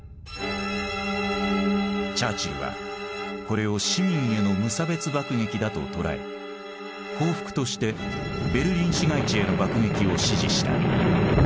チャーチルはこれを市民への無差別爆撃だと捉え報復としてベルリン市街地への爆撃を指示した。